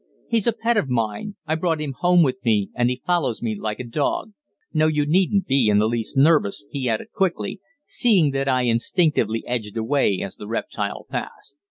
"He's a pet of mine I brought him home with me, and he follows me like a dog no, you needn't be in the least nervous," he added quickly, seeing that I instinctively edged away as the reptile passed.